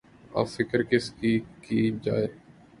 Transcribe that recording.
اب فکر کس کی‘ کی جائے؟